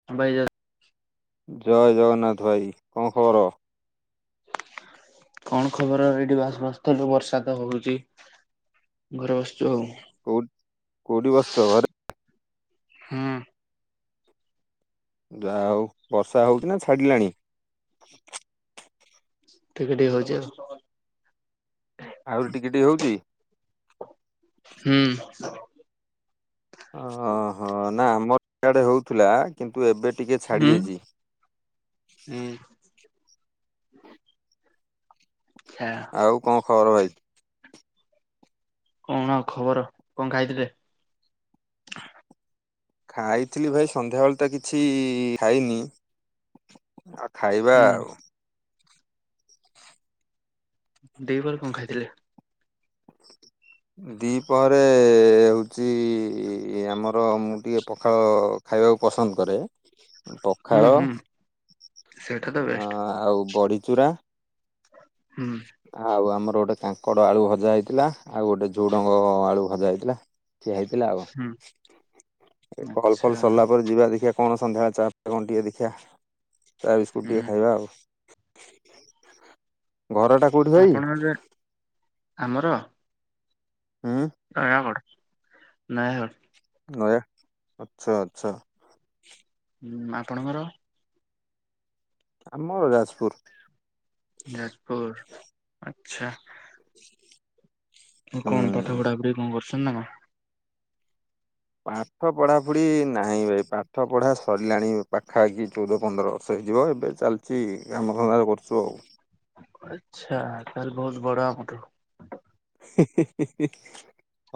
[unintelligible] ଜୟ ଜଗନ୍ନାଥ ଭାଇ କଣ ଖବର? କଣ ଖବର ଏଇଠି ବାସବାସ୍ଥଲୁ ବର୍ଷା ତ ହଉଛି। ଘରେ ବସିଚୁ ଆଉ। କୋଉ କୋଉଠି ବସିଚ ଘରେ? ହୁଁ। ଯାହା ହଉ ବର୍ଷା ହଉଛି ନା ଛାଡ଼ି ଲାଣି। ଟିକେ ଟିକେ ହଉଛି ଆଉ। ଆହୁରି ଟିକେ ଟିକେ ହଉଛି। ହୁଁ। ଓହୋ ନା ଆମରଆଡ଼େ ହଉଥିଲା କିନ୍ତୁ ଏବେ ଟିକେ ଛାଡ଼ି ହୁଁ ଯାଇଛି। ହୁଁ। ଚ୍ଛା ଆଉ କଣ ଖବର ଭାଇ? କଣ ଆଉ ଖବର କଣ ଖାଇଥିଲେ? ଖାଇଥିଲି ଭାଇ ସନ୍ଧ୍ୟାବେଳେ ତ କିଛି ଖାଇନି। ଆଉ ଖାଇବା ହୁଁ ଆଉ ଦିପରେ କଣ ଖାଇଥିଲେ? ଦିପହରେ ହଉଛି ହଉଛି ଆମର ମୁଁ ଟିକେ ପଖାଳ ଖାଇବାକୁ ପସନ୍ଦ କରେ ହୁଁ ପଖାଳ ହୁଁ ସେଇଟା ତ ଅ ବେଷ୍ଟ ଆଉ ବଢିଚୂୁରା ହୁଁ। ଆଉ ଆମର ଗୋଟେ କାଙ୍କଡ ଆଳୁ ଭଜା ହେଇଥିଲା ଆଉ ଗୋଟେ ଝୁଡଙ୍ଗ ଆଳୁ ଭଜା ହେଇଥିଲା ଖିଆ ହେଇଥିଲା ଆଉ ହୁଁ। କଣ କଲ ଫଲ ଆଚ୍ଛା ସରିଲା ପରେ ଯିବା ଦେଖିବା କଣ ସନ୍ଧ୍ୟାବେଳେ ଚା ଫାଆ କଣ ଟିକେ ଦେଖିବା ଚାବିସ୍କୁଟ୍ ଟିକେ ହୁଁ ଖାଇବା ଆଉ। ଘରଟା କୋଉଠି ଭାଇ ଆପଣ ଯାନ ଆମର ହୁଁ। ନୟାଗଡ଼ ନୟାଗଡ଼ ନୟା ଆଚ୍ଛା ଅଛା ଆପଣଙ୍କର? ଆମ ଘର ଯାଜପୁର୍। ଯାଜପୁର ଆଛା। ହୁ [unintelligible] କଣ ପାଠ ପଢାପଢି କଣ କରୁଚ଼ନ୍ତି ନାକ ପାଠ ପଢା ପଢି ନାହିଁ ଭାଇ ପାଠ ପଢା ସରିଲାଣି ପାଖାପାଖି ଚଉଦ ପନ୍ଦର ବର୍ଷ। ସେଇଯିବ ଏବେ ଚାଲିଚି କାମଧନ୍ଦା କରୁଛୁ ଆଉ ଆଛା ତାହେଲେ ବହୁତ ବଡ ଆମଠୁ। ହି ହିଁ ହିଁ ହିଁ।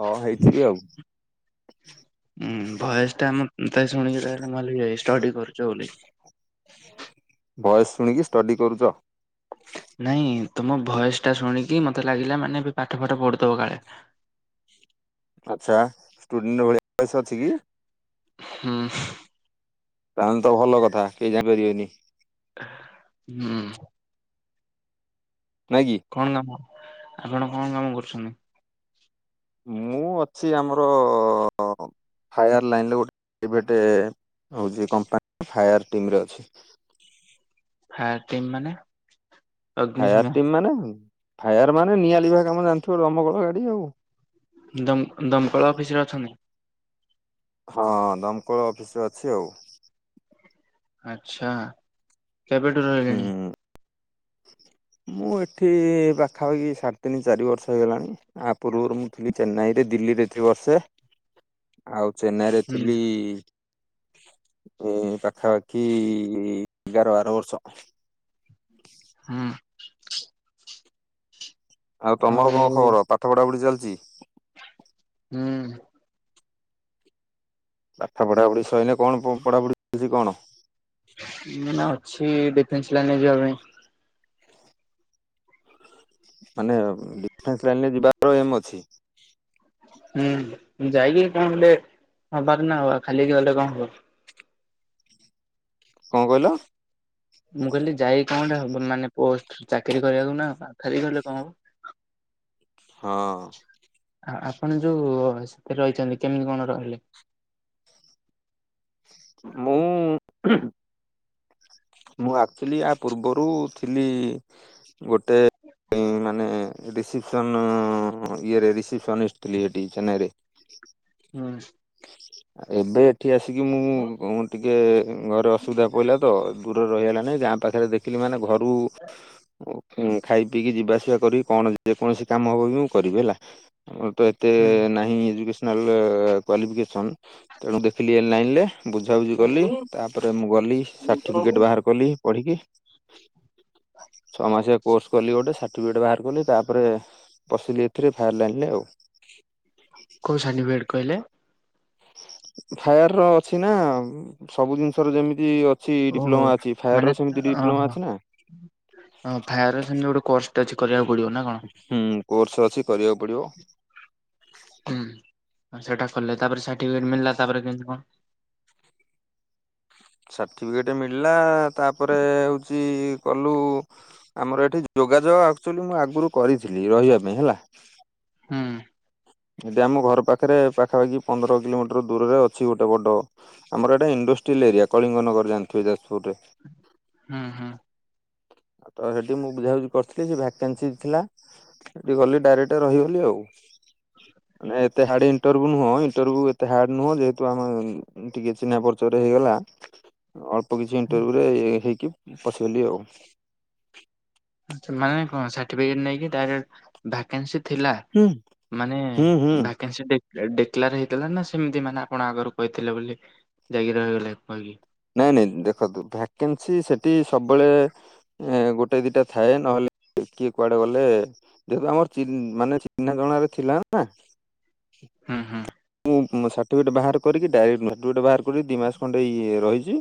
ହଁ ହେଇଥିବି ଆଉ ହୁଁ ବୟସ ଟା ଆମେତ ଶୁଣିକି ଲାଗୀଲା ମୁକହିଲି ଏ ଷ୍ଟଡି କରୁଚୁ ବୋଲି ଭଏସ୍‌ ଶୁଣିକି ଷ୍ଟଡି କରୁଚ଼? ନାଇଁ ତମ ଭୟସ୍ ଟା ଶୁଣିକି ମତେ ଲାଗିଲା ମାନେ ଏ ପାଠ ଫାଠ ପଢୁଥବ କାଳେ ଆଚ୍ଛା ଷ୍ଟୁଡେଣ୍ଟ ଭଳିଆ ବୟସ ଅଛି କି? ହୁଁ। ତାହେଲେ ତ ଭଲ କଥା କେହି ଜାଣିପାରିବେନି। ହୁଁ। ନାଆ କି? କଣ କାମ ଆପଣ କଣ କାମ କରୁଡ଼ନ୍ତି? ମୁଁ ଅଛି ଆମର ଫାୟାର ଲାଇନ୍ ଗୋଟେ ପ୍ରାଇଭେଟେ ହଉଛି କମ୍ପାନୀ ଫାୟାର ଟିମିରେ ଅଛି। ଫାୟାର ଟିମ୍ ମାନେ? ଫାୟାର ଅଗ୍ନିଶମ ଟିମ୍ ମାନେ ଫାୟାର ମାନେ ନିଆଁ ଲିଭା କାମ ଜାଣିଥିବ ଦମକୋଳ ଗାଡି ଆଉ। ଦମ୍ ଦମକଳ ଅଫିସରେ ଅଛନ୍ତି? ହଁ ଦମକଳ ଅଫିସରେ ଅଛି ଆଉ। ଆଛା କେବେଠୁ ହୁଁ ରହିଲେଣି? ମୁଁ ଏଠି ପାଖାପାଖି ସାଢ଼େ ତିନି ଚାରି ବର୍ଷ ହେଇଗଲାଣି। ଆ ପୂର୍ବରୁ ମୁଁ ଥିଲି ଚେନ୍ନାଇରେ ଦିଲ୍ଲୀରେ ଥିଲି ବି ବର୍ଷେ। ଆଉ ଚେନ୍ନାଇରେ ହୁଁ ଥିଲି ଏ ପାଖାପାଖି ଏଗାର ବାର ବର୍ଷ। ହ [unintelligible] ହୁଁ। ଆଉ ତମର କଣ ଖବର ପାଠ ପଢାପଢି ଚାଲିଚି? ହୁଁ। ପାଠା ପଢା ପଢି ସଇଲେ କଣ ପଢାପଢିଅଛି କଣ? ମୁଁ ଏଇନା ଅଛି ଡିଫେନ୍ସ ଲାଇନ୍ ରେ ଯିବା ପାଇଁ। ମାନେ ଡିଫେନ୍ସ ଲାଇନରେ ଯିବାର ଏମ୍ ଅଛି? ହୁଁ ଯାଇକି କଣ ହେଲେ ହବାର ନା ଆଉ ଖାଲି ଗଲେ କଣ ହବ? କଣ କହିଲ? ମୁଁ କହିଲି ଯାଇ କଣଟା ହବ ମାନେ ପୋଷ୍ଟ ଚାକିରୀ କରିବାକୁ ନା ଆ ଖାଲି ରହିଲେ କଣ ହବ? ହଁ। ଆ ଆପଣ ଯୋଉ ସେଥିରେ ରହିଛନ୍ତି କେମିତି କଣ ରହିଲେ? ମୁଁ ମୁଁ ଆକ୍ଚୁଲି ୟା ପୂର୍ବରୁ ଥିଲି ଗୋଟେ ମାନେ ରିସିପସନ ଇଏ ରେ ରିସିପସନିଷ୍ଟ ଥିଲି ସେଠି ଚେନ୍ନାଇ ରେ। ହୁଁ। ଏବେ ଏଠି ଆସିକି ମୁଁ ଟିକେ ଘରେ ଅସୁବିଧା ପଡିଲା ତ। ଦୂରରେ ରହି ହେଲାନାହିଁ ଗାଁ ପାଖରେ ଦେଖିଲି ମାନେ ଘରୁ ଉ ହୁଁ ଖାଇ ପିଇକି ଯିବାସିବା କରିକି କଣ ଯେକୌଣସି କାମ ହବ ବି ମୁଁ କରିବି ହେଲା। ମୁଁ ତ ଏତେ ନାହିଁ ଏଜୁକେଶନାଲ ଏ କ୍ୱାଲିଫିକେସନ୍ ତେଣୁ ଦେଖିଲି ଏ ଲାଇନ୍ ରେ। ବୁଝାବୁଝି କଲି ତାପରେ ମୁଁ ଗଲି ସାର୍ଟିଫିକେଟ ବାହାର କଲି ପଢିକି। ଛଅ ମାସିଆ କୋର୍ସ କଲି ଗୋଟେ ସାର୍ଟିଫିକେଟ ବାହାର କଲି ତାପରେ ପସିଲି ଏଥିରେ ଫାୟାର ଲାଇନରେ ଆଉ। କୋଉ ସର୍ଟିଫିକେଟ କହିଲେ? ଫାୟାର ର ଅଛି ନା ସବୁ ଜିନିଷ ର ଯେମିତି ଅ ଛି ଓହୋ ଡିପ୍ଲୋମା ଅଛି ଫାୟାରର ସେମିତି ଡିପ୍ଲୋମା ଅଛି ନା। ହଁ ଫାୟାର ସେମତି ଗୋଟେ ର୍କୋସ୍ ଟେ ଅଛି କରିବାକୁ ପଡିବ ନା କଣ? ହୁଁ କୋର୍ସ ଅଛି କରିବାକୁ ପଡିବ। ହୁଁ ସେଟା କଲେ ତାପରେ ସାର୍ଟିଫିକେଟ ମିଳିଲା ତାପରେ କେମତି କଣ? ସାର୍ଟିଫିକେଟ ମିଳିଲା ତାପରେ ହୋଉଛି କଲୁ ଆମର ଏଠି ଯୋଗାଯୋଗ ଆକ୍ଚୋଲି ମୁଁ ଆଗରୁ କରିଥିଲି ରହିବା ପାଇଁ ହେଲା। ହୁଁ। ଏଠି ଆମ ଘର ପାଖରେ ପାଖାପାଖି ପନ୍ଦର କିଲୋମିଟର ଦୂରରେ ଅଛି ଗୋଟେ ବଡ। ଆମର ଏଇଟା ଇଣ୍ଡଷ୍ଟ୍ରିଆଲ୍ ଏରିଆ କଳିଙ୍ଗନଗର ଜାଣିଥିବ ଯାଜପୁରରେ। ଉଁ ହୁଁ। ଆଉ ତ ସେଠି ମୁଁ ବୁଝାବୁଝି କରିଥିଲି ସେ ଭାକେନ୍ସି ଥିଲା ସେଠି ଗଲି ଡାଇରେକ୍ଟ ରହିଗଲି ଆଉ। ମାନେ ଏତେ ହାର୍ଡ ଇଣ୍ଟରଭିଉ ନୁହଁ ଇଣ୍ଟରଭିଉ ଏତେ ହାର୍ଡ ନୁହଁ ଯେହେତୁ ଆମେ ଟିକେ ଚିହ୍ନା ପରିଚୟରେ ହେଇଗଲା। ଅଳ୍ପ କିଛି ଇଣ୍ଟରଭିଉ ରେ ହେଇକି ପଶିଗଲି ଆଉ। ଆଚ୍ଛା ନା କଣ ସାର୍ଟିଫିକେଟ ନେଇକି ଡାଇରେକ୍ଟ ଭାକାନ୍ସି ଥିଲା ହୁଁ ମାନେ ହୁଁ ହୁଁ ଭକାନ୍ସି ଡିକ୍ଲାର ହେଇଥିଲା ନା ସେମିତି ମାନେ ଆପଣ ଆଗରୁ କହିଥିଲେ ବୋଲି ଯାଇକି ରହିଗଲେ କହିକି। ନାଇଁ ନାଇଁ ଦେଖନ୍ତୁ ଭ୍ୟାକାନ୍ସି ସେଠି ସବୁବେଳେ ଏ ଗୋଟେ ଦିଟା ଥାଏ ନହେଲେ କିଏ କୁଆଡେ ଗଲେ? ଯେହେତୁ ଆମର ଚୀନ୍ ମାନେ ଚିହ୍ନାଜଣା ରେ ଥିଲା ନା। ହୁଁ ହୁଁ। ମୁଁ ସାର୍ଟିଫିକେଟ ବାହାର କରିକି ଡାଇରେକ୍ଟ ସାର୍ଟିଫିକେଟ ବାହାର ମୁଁ ଦି ମାସ ଖଣ୍ଡେ ଇଏ ରହିଛି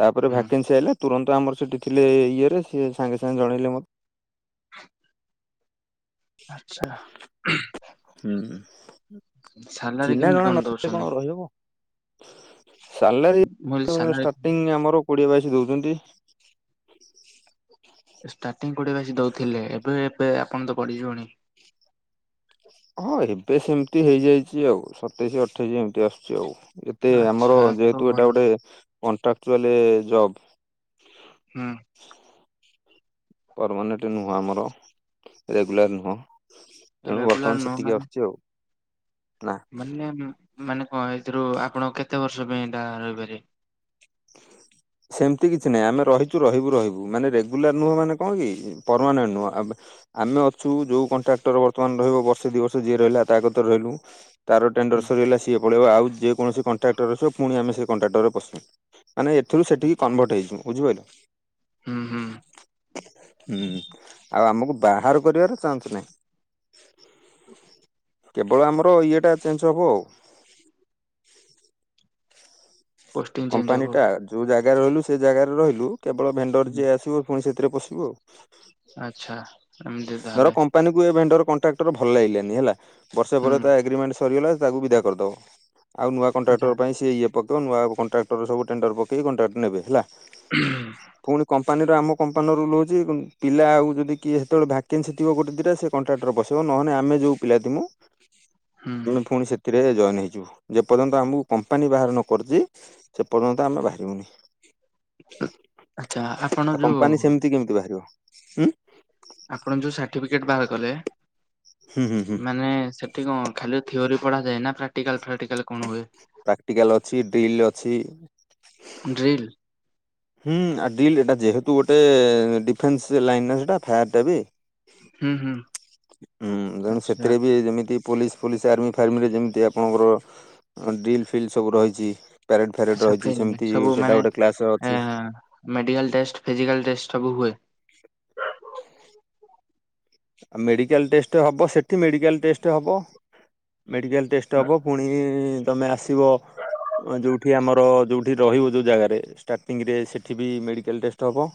ତାପରେ ହୁଁ ଭାକେନ୍ସି ଆଇଲା। ତୁରନ୍ତ ଆମର ସେଠି ଥିଲେ ଇଏ ରେ ସିଏ ସାଙ୍ଗେ ସାଙ୍ଗେ ଜଣେଇଲେ ମତେ। ଆଚ୍ଛା। ହୁଁ ସାଲାରୀ ଚିହ୍ନା କେମିତି ଜଣା ନଥିଲେ ଦଉଛନ୍ତି? କଣ ରହିହବ? ସାଲେରୀ ମୁଁ କହିଲି ତ ସାଲାରୀ ଷ୍ଟାର୍ଟିଂ ଆମର କୋଡିଏ ବାଇଶ ଦଉଛନ୍ତି। ଷ୍ଟାର୍ଟିଂ କୋଡ଼ିଏ ବାଇଶି ଦଉଥିଲେ ଏବେ ଏବେ ଆପଣ ତ ବଢ଼ି ଜିବଣି? ହଁ ଏବେ ସେମିତି ହେଇଯାଇଛି ଆଉ ସତେଇଶ ଅଠେଇଶି ଏମିତି ଆସୁଛି ଆଉ। ଏତେ ଆମର ଆଚ୍ଛା ତ ଯେହେତୁ ଭଲ ଏଇଟା ଗୋଟେ କଣ୍ଟ୍ରାକ୍ଚୁଆଲ ଜବ୍। ହୁଁ। ପରମାନେେଣ୍ଟ ନୁହଁ ଆମର, ରେଗୁଲାର ନୁହଁ ତେଣୁ ରେଗୁଲାର ବର୍ତ୍ତମାନ ନୁହ ସେତିକି ମାନେ ଆସୁଛି ଆଉ। ନାଁ। ମାନେ ମାନେ କ'ଣ ଏଥିରୁ ଆପଣ କେତେ ବର୍ଷ ପାଇଁ ଏଟା ରହିପାରିବେ? ସେମିତି କିଛି ନାହିଁ ଆମେ ରହିଛୁ ରହିବୁ ରହିବୁ। ମାନେ ରେଗୁଲାର ନୁହଁ ମାନେ କ'ଣ କି? ପରମାନେଣ୍ଟ ନୁହଁ। ଆମେ ଅଛୁ ଯୋଉ କଣ୍ଟ୍ରାକ୍ଟର ବର୍ତ୍ତମାନ ରହିବ ବର୍ଷେ ଦୁଇ ବର୍ଷ ଯିଏ ରହିଲା ତା କତରେ ରହିଲୁ। ତାର ହୁଁ ଟେଣ୍ଡର ସରିଗଲା ସିଏ ପଳେଇବ ଆଉ ଯେ କୌଣସି କଣ୍ଟ୍ରାକ୍ଟର ରସିବ ପୁଣି ଆମେ ସେ କଣ୍ଟ୍ରାଟରେ ପସିମୁ। ମାନେ ଏଥିରୁ ସେଠିକି କନଭର୍ଟ ହେଇଜିମୁ ବୁଝିପାଇଲ? ହୁଁ ହୁଁ। ହୁଁ ଆଉ ଆମକୁ ବାହାର କରିବାର ଚାନ୍ସ ନାହିଁ। କେବଳ ଆମର ଇଏଟା ଚେଞ୍ଜ ହେବ ଆଉ। ପୋଷ୍ଟିଂ ଚେଞ୍ଜ କମ୍ପାନୀ ହବ ଟା ଯୋଉ ଜାଗାରେ ରହିଲୁ ସେ ଜାଗାରେ ରହିଲୁ କେବଳ ଭେଣ୍ଡର ଯିଏ ଆସିବ ପୁଣି ସେଥିରେ ପଶିବୁ ଆଉ। ଆଚ୍ଛା ଏମିତି ତାହାଲେ। କମ୍ପାନୀ କୁ ଏ ଭେଣ୍ଡର କଣ୍ଟାକଟର ଭଲଲାଗିଲାନି ହେଲା ବର୍ଷେ ହୁଁ ପରେ ତା ଏଗ୍ରିମେଣ୍ଟ ସ ସରିଗଲା ତାକୁ ବିଦା କରିଦବ। ଆଉ ନୂଆ ଆଚ୍ଛା କଣ୍ଟ୍ରାକଟର ପାଇଁ ସେ ଇଏ ପକେଇବ ନୂଆ କନ କଣ୍ଟ୍ରାକଟର ସବୁ ଟେଣ୍ଡର ପକେଇକି କଂଟ୍ରାକଟି ନେବେ ହେଲା। ପୁଣି କମ କମ୍ପାନୀର ଆମ କମ୍ପାନୀର ରୁୁଲ୍ ହେଉଛି ପିଲା ଆଉ ଯଦି କିଏ ହେତେବେଳେ ଭ୍ୟାକେନ୍ସି ଥିବ ଗୋଟେ ଦୁଇଟା ସେ କଣ୍ଟ୍ରାକଟର ପସେଇବ। ନହେନେ ଆମେ ଯେଉଁ ପିଲା ଥିମୁ ହୁଁ ଆମେ ପୁଣି ସେଥିରେ ଜଏନ୍ ହେଇଯିବ। ଯେ ପର୍ଯ୍ୟନ୍ତ ଆମକୁ କମ୍ପାନୀ ବାହାର ନକରିଚି ସେପର୍ଯ୍ୟନ୍ତ ଆମେ ବାହାରିବୁନି। ଆଚ୍ଛା ଆପଣ ଆ ଯୋଉ କମ୍ପାନୀ ସେମିତି କେମିତି ବାହାରିବ। ହୁଁ ଆପଣ ଯୋଉ ସାର୍ଟିଫିକେଟ ବାହାର କଲେ, ହୁଁ ହୁଁ ହୁଁ। ମାନେ ଠି କ ଖାଲି ଥିଓରି ପଢ଼ାଯାଏ ନା ପ୍ରାକଟିକାଲ ଫ୍ରାକ୍ଟିକାଲ କ'ଣ ହୁଏ? ପ୍ରାକ୍ଟିକାଲ ଅଛି ଡ୍ରିଲ ଅଛି। ମୁଁ ହୁଁ ଆ ଡିଲ୍ ଏଟା ଯେହେତୁ ଗୋଟେ ଡିଫେନ୍ସ ଲାଇନ ନା ସେଟା ଫାୟାର ଟା ବି। ହୁଁ ହୁଁ। ହୁଁ ତେଣୁ ଆଚ୍ଛା ସେଥିରେ ବି ଯେମିତି ପୋଲିସ ଫୋଲିସ ଆର୍ମି ଫାର୍ମିରେ ଯେମିତି ଆପଣଙ୍କର ଡ୍ରିଲ୍ ଫିଲ୍ ସବୁ ରହିଛି। ପ୍ୟାରେଡ଼୍ ଫ୍ୟାରେଡ଼୍ ରହିଛି ସଫେଇ ସେମିତି ସେଇଟା ଗୋଟେ କ୍ଲାସ ଅଛି। ମେଡ଼ିକାଲ ଟେଷ୍ଟ ଫିଜିକାଲ ଟେଷ୍ଟ ସବୁ ହୁଏ? ଆଉ ମେଡିକାଲ ଟେଷ୍ଟ ହବ ସେଠି ମେଡିକାଲ ଟେଷ୍ଟ ହବ। ମେଡିକାଲ ଟେଷ୍ଟ ହବ ପୁଣି ତମେ ଆସିବ ଯେଉଁଠି ଆମର ଯେଉଁଠି ରହିବ ଯେଉଁ ଜାଗାରେ ଷ୍ଟାର୍ଟିଂରେ ସେଇଠି ବି ମେଡ଼ିକାଲ ଟେଷ୍ଟ ହେବ।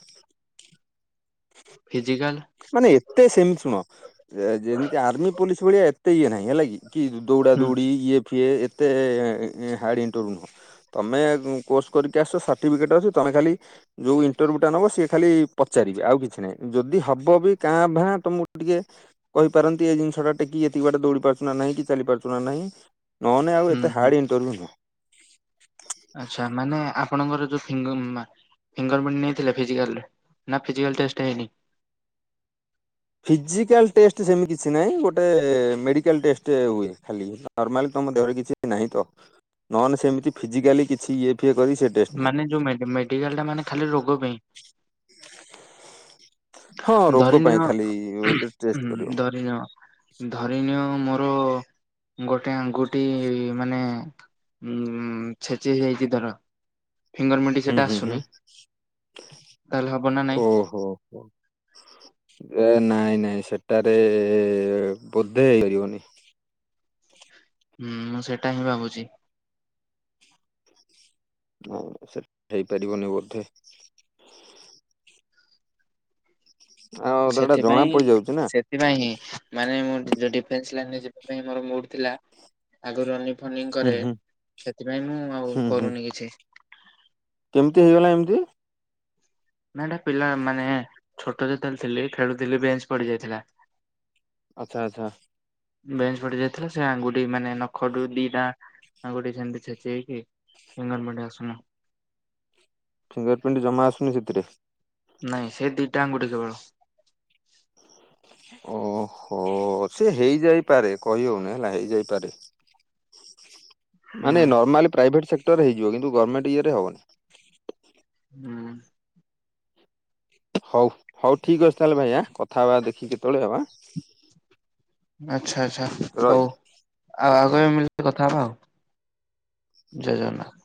ଫିଜିକାଲ? ମାନେ ଏତେ ସେମିତି ଶୁଣ ଯେମିତି ଆର୍ମି ପୋଲିସ ଭଳିଆ ଏତେ ଇଏ ନାହିଁ ହେଲା କିି। କି ଦୌଡ଼ା ହୁଁ ଦୌଡ଼ି ଇଏ ଫିଏ ଏତେ ହାର୍ଡ଼ ଇଣ୍ଟରଭୁ ନୁହଁ। ତମେ କୋର୍ସ କରିକି ଆସଛ ସାର୍ଟିଫିକେଟ୍ ଅଛି ତମେ ଖାଲି ଯୋଉ ଇଣ୍ଟରଭ୍ୟୁ ଟା ନବ ସିଏ ଖାଲି ପଚାରିବେ ଆଉ କିଛି ନାହିଁ। ଯଦି ହବ ବ ବି କାଁ ଭାଁ ତମକୁ ଟିକେ କହିପାରନ୍ତି ଏଇ ଜିନିଷ ଟା ଟେକି ଏତିକି ବାଟେ ଦୌଡି ପାରୁଛୁ ନାହିଁ କି ଚାଲି ପାରୁଛୁ ନାହିଁ। ନହେନେ ଆଉ ହୁଁ ଏତେ ହୁଁ ହାର୍ଡ ଇଣ୍ଟରଭୁ ନୁହଁ। ଆଛା। ମାନେ ଆପଣଙ୍କର ଯୋଉ ଫିଙ୍ଗ ଫିଙ୍ଗର ପ୍ରିଣ୍ଟ ନେଇଥିଲେ ଫିଜିକାଲରେ, ନା ଫିଜିକାଲ୍ ଟେଷ୍ଟ ହେଇନି? ଫିଜିକାଲ ଟେଷ୍ଟ ସେମିତି କିଛି ନହିଁ ଗୋଟେ ମେଡିକାଲ ଟେଷ୍ଟ ହୁଏ ଖାଲି। ନର୍ମାଲି ତମ ଦେହରେ କିଛି ନାହିଁ ତ ନହଲେ ସେମତି ଫିଜିକାଲି କିଛି ଇଏ ଏ କରି ସେ [inaudible] ମାନେ ଯୋଉ ମେଡି ମେଡିକାଲ ଟା ମାନେ ଖାଲି ରୋଗ ପେଇଁ। ହଁ ରୋଗ ଧରିନୀୟ ପାଇଁ ଉଁ ଖାଲି ଗୋଟେ ଟେଷ୍ଟ ହୁଁ କରିବ ଧରିନିୟ। ଧରିନିଅ ମୋର ଗୋଟେ ଆଙ୍ଗୁଠି ମାନେ। ଉଁ ଛେଚି ହେଇ ଯାଇଛି ଧର। ଫିଙ୍ଗର ମିଣ୍ଟି ହୁଁ ସେଟା ହୁଁ ହୁଁ ଆସୁନି ତାହେଲେ ହବ ନା ନାଇଁ ଓ ହୋ ହୋ। ଏ ନାଇଁ ନାଇଁ ସେଟାରେ ବୋଧେ ମିଳିବନି। ହୁଁ ମୁଁ ସେଟା ହିଁ ଭାବୁଛି। ନାଇଁ ନାଇଁ ସେଟେ ହେଇ ପାରିବନି ବୋଧେ। ଆଉ ତାର ଏଟା ଜଣା ପଡିଯାଉଛି ନା। ସେଥି ପାଇଁ ହିଁ ମାନେ ମୋର ଯୋଉ ଡିଫେନ୍ସ ଲାଇନରେ ଯିବା ପାଇଁ ମୋର ମୁଡ ଥିଲା ଆଗରୁ ରନି ଙ୍ଗ ଫନିଂ ହୁଁ କରେ ହୁଁ ସେଥିପାଇଁ ମୁଁ ଆଉ ହୁଁ ହୁଁ କରୁନି କିଛି। କେମିତି ହେଇଗଲା ଏମିତି? ନାଇ ଏଟା ପିଲା ମାନେ ଛୋଟ ଯେତେ ବେଳେ ଥିଲି ଖେଳୁ ଥିଲି ବେଞ୍ଚ ପଡି ଯାଇଥିଲା। ଆଚ୍ଛା ଆଚ୍ଛା। ବେଞ୍ଚ ପଡି ଯାଇଥିଲା ସେ ଆଙ୍ଗୁଠି ମାନେ ନଖ ଟୁ ଦିଟା ଆଙ୍ଗୁଠି ସେମତି ଛେଚି ହେଇକି। ଫିଙ୍ଗର ପ୍ରିଣ୍ଟ ଆସୁନି ମ ଫିଙ୍ଗର ପ୍ରିଣ୍ଟ ଜମା ଆସୁନି ସେଥିରେ? ନାଇଁ ସେ ଦିଟା ଆଙ୍ଗୁଠି କେବଳ। ଓ ହୋ ସେ ହେଇ ଯାଇ ପାରେ କହି ହଉନି ହେଲା ହେଇ ଯାଇ ପାରେ। ମାନେ ହୁଁ। ନର୍ମାଲି ପ୍ରାଇଭେଟ ସେକ୍ଟର ହେଇଯିବ କିନ୍ତୁ ଗର୍ଣ୍ଣେଣ୍ଟ ଇଏରେ ହବନି। ହୁଁ। ହଉ ହଉ ଠିକ୍ ଅଛି ତାହେଲେ ଭାଇ ହାଁ କଥା ହେବା ଦେଖିକି କେତେବେଳେ ଆଉ ହାଁ। ଆଚ୍ଛା ଆଚ୍ଛା ହଉ ରହିଲି ଆଉ ହଉ ଆଗ ଏ ଟିକେ କଥା ହେବା ଆଉ ଜୟ ଜଗନ୍ନାଥ।